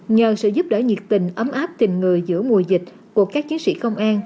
nhờ sự giúp đỡ nhiệt tình ấm áp tình người giữa mùa dịch của các chiến sĩ công an